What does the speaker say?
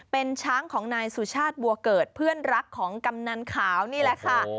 เป็นช้างของนายสุชาติบัวเกิดเพื่อนรักของกำนันขาวนี่แหละค่ะ